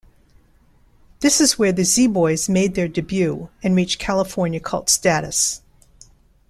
This is where the Z-Boys made their debut and reached California cult status.